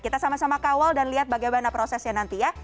kita sama sama kawal dan lihat bagaimana prosesnya nanti ya